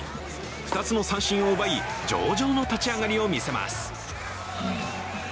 ２つの三振を奪い、上々の立ち上がりを見せます。